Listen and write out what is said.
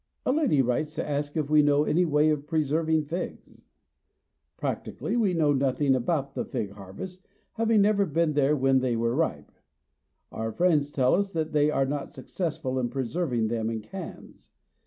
A lady writes to ask if we know any way of preserving figs. Practically, we know nothing about the fig harvest, having never been here when they were ripe. Our friends tell us that they are not successful in preserving them in cans.